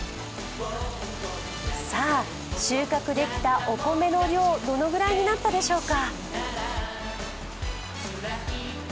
収穫できたお米の量どれくらいになったでしょうか